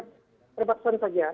tidak ada kebatasan saja